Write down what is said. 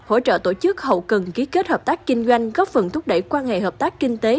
hỗ trợ tổ chức hậu cần ký kết hợp tác kinh doanh góp phần thúc đẩy quan hệ hợp tác kinh tế